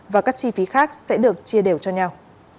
và các chi phí khác sẽ được chia đều cho nhau